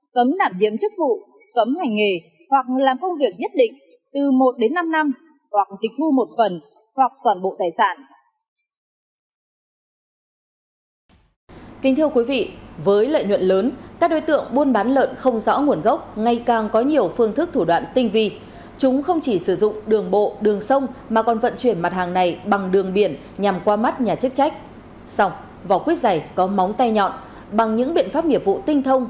cấm nảm nhiễm chức vụ cấm hành nghề hoặc làm công việc nhất định từ một đến năm năm hoặc tịch thu một phần hoặc toàn bộ tài sản